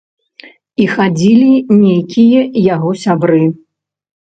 І хадзілі нейкія яго сябры.